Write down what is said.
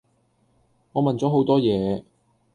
我問咗好多野